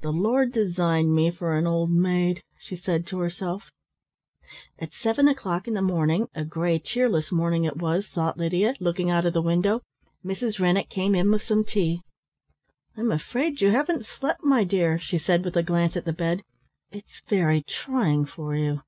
"The Lord designed me for an old maid," she said to herself. At seven o'clock in the morning a grey, cheerless morning it was, thought Lydia, looking out of the window Mrs. Rennett came in with some tea. "I'm afraid you haven't slept, my dear," she said with a glance at the bed. "It's very trying for you."